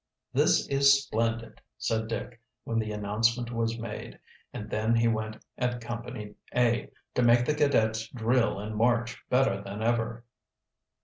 "This is splendid!" said Dick, when the announcement was made. And then he went at Company A, to make the cadets drill and march better than ever.